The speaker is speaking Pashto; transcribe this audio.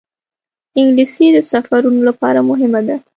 انګلیسي د سفرونو لپاره مهمه ده